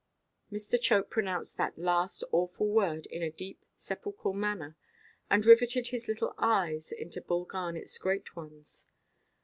Mr. Chope pronounced that last awful word in a deeply sepulchral manner, and riveted his little eyes into Bull Garnetʼs great ones.